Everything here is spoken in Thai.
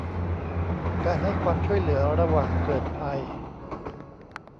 การให้ความช่วยเหลือระหว่างเกิดภัย